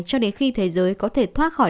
cho đến khi thế giới có thể thoát khỏi